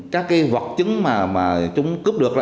các cái vật chứng mà chúng cướp được